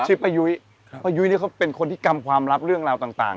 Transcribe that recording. ป้ายุ้ยป้ายุ้ยเนี่ยเขาเป็นคนที่กำความลับเรื่องราวต่าง